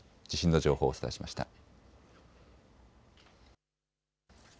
地震の情報をお伝えしました。